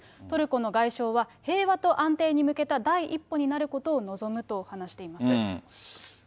トルコの外相は、平和と安定に向けた第一歩になることを望むと話しています。